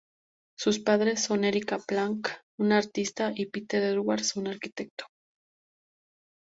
Sus padres son Erika Planck, una artista, y Peter Edwards, un arquitecto.